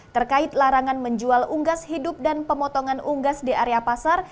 terkait larangan menjual unggas hidup dan pemotongan unggas di area pasar